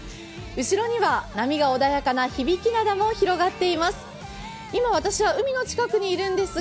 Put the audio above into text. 後ろには波が穏やかな響灘も広がっています。